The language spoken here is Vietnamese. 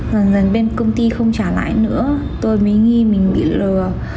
dần dần bên công ty không trả lãi nữa tôi mới nghĩ mình bị lừa